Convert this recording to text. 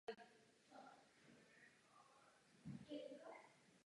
Chceme rozšířit mandát Evropské agentury pro námořní bezpečnost.